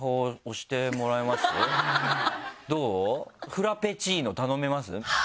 フラペチーノ頼めます？